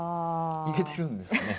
イケてるんですかね？